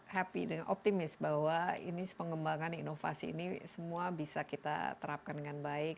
happy dengan optimis bahwa ini pengembangan inovasi ini semua bisa kita terapkan dengan baik